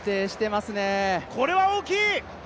これは大きい！